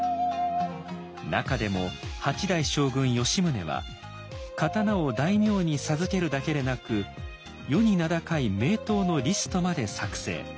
中でも八代将軍吉宗は刀を大名に授けるだけでなく世に名高い名刀のリストまで作成。